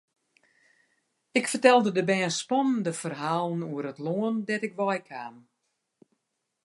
Ik fertelde de bern spannende ferhalen oer it lân dêr't ik wei kaam.